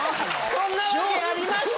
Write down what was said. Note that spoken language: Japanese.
そんなわけありました！